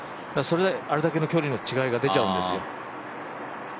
それであれだけの距離の違いが出ちゃうんですよ。